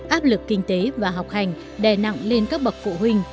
áp lực kinh tế và học hành đè nặng lên các bậc phụ huynh